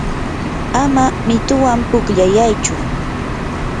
ama mituwan pukllayaychu.